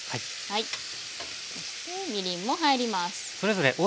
そしてみりんも入ります。